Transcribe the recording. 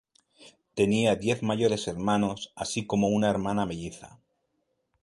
Tenía diez mayores hermanos, así como una hermana melliza.